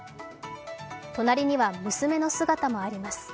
隣には娘の姿もあります。